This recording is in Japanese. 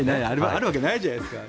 あるわけないじゃないですか。